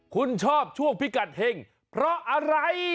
คุณชอบช่วงพิกัดเห็งเพราะอะไร